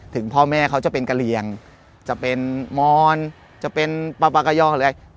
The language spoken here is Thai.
ถึงพ่อแม่เขาจะเป็นกะเรียงจะเป็นมอนจะเป็นปลาปากะยอหรืออะไร